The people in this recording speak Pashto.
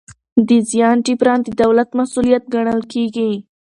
د زیان جبران د دولت مسوولیت ګڼل کېږي.